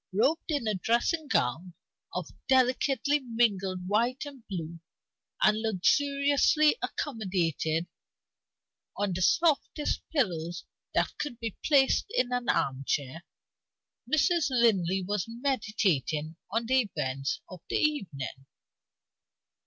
Robed in a dressing gown of delicately mingled white and blue, and luxuriously accommodated on the softest pillows that could be placed in an armchair, Mrs. Linley was meditating on the events of the evening.